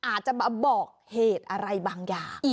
อาจจะมาบอกเหตุอะไรบางอย่าง